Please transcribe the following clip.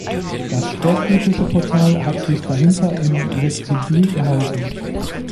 Das spätgotische Portal hat sich dahinter im Vestibül erhalten.